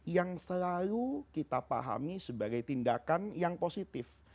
yang selalu kita pahami sebagai tindakan yang positif